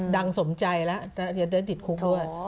ดังสมใจแล้วแต่ยังได้ติดคุกด้วย